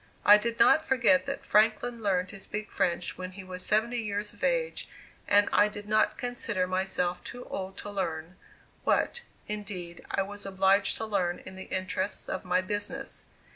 I did not forget that Franklin learned to speak French when he was seventy years of age, and I did not consider myself too old to learn, what, indeed, I was obliged to learn in the interests of my business.